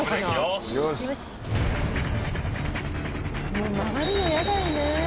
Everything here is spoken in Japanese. もう曲がるのやだよね。